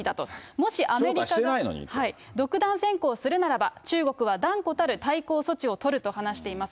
もしアメリカが、独断専行するならば、中国は断固たる対抗措置を取ると話しています。